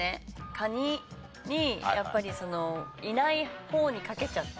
カニにやっぱりそのいない方に賭けちゃって。